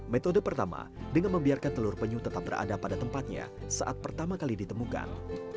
metode pertama dengan membiarkan telur penyu tetap berada pada tempatnya saat pertama kali ditemukan